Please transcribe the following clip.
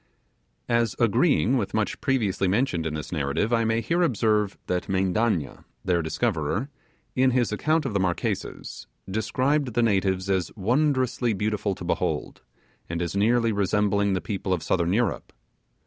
As agreeing with much previously mentioned in this narrative I may here observe that Mendanna, their discoverer, in his account of the Marquesas, described the natives as wondrously beautiful to behold, and as nearly resembling the people of southern Europe.